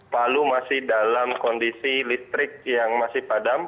palu masih dalam kondisi listrik yang masih padam